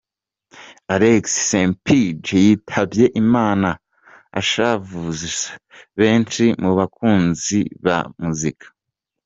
Alex Ssempijja yitabye Imana ashavuza benshi mu bakunza ba Muzika.